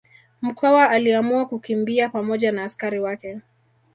Mkwawa aliamua kukimbia pamoja na askari wake